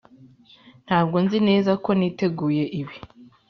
ntabwo nzi neza ko niteguye ibi.